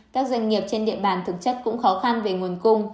các doanh nghiệp trên địa bàn thực chất cũng khó khăn về nguồn cung